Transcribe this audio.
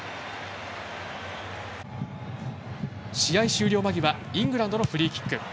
試合終了間際イングランドのフリーキック。